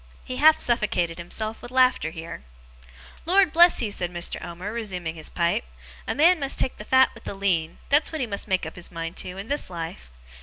He half suffocated himself with laughing here. 'Lord bless you!' said Mr. Omer, resuming his pipe, 'a man must take the fat with the lean; that's what he must make up his mind to, in this life.